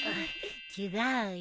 違うよ。